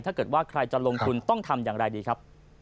ถ้าเกิดว่าใครจะลงทุนต้องทำอย่างไรดีครับ